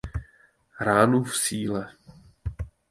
Ránu v Síle.